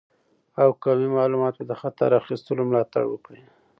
او قوي معلومات به د خطر اخیستلو ملاتړ وکړي.